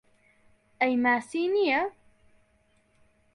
ئەی ماسی نییە؟